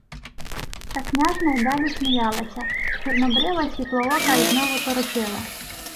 Та княжна й далі сміялася, чорнобрива й світлоока, й знову торочила: